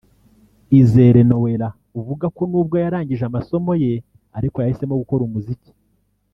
Izere Noella uvuga ko nubwo yarangije amasomo ye ariko yahisemo gukora umuziki